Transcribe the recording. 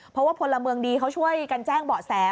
เพราะว่าพลเมืองดีเขาช่วยกันแจ้งเบาะแส